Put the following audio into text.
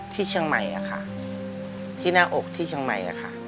ที่ช่างใหม่อะค่ะที่หน้าอกที่ช่างใหม่อะค่ะ